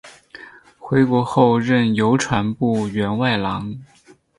回国后任邮传部员外郎。